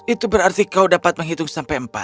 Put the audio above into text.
itu berarti kau dapat menghitung sampai empat